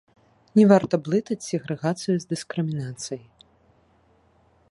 Не варта блытаць сегрэгацыю з дыскрымінацыяй.